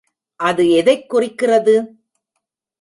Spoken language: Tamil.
அது எதைக் குறிக்கிறது?